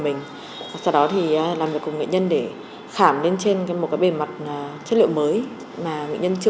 mình sau đó thì làm việc cùng nghệ nhân để khảm lên trên một cái bề mặt chất liệu mới mà nghệ nhân chưa